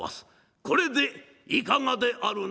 これでいかがであるな？」。